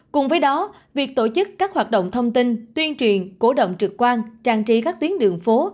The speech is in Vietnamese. cùng với đó việc tổ chức các hoạt động thông tin tuyên truyền cổ động trực quan trang trí các tuyến đường phố